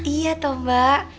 iya toh mbak